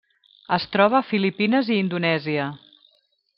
Es troba a Filipines i Indonèsia.